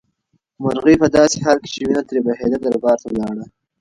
مرغۍ په داسې حال کې چې وینه ترې بهېده دربار ته لاړه.